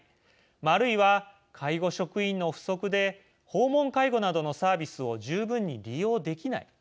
あるいは、介護職員の不足で訪問介護などのサービスを十分に利用できない。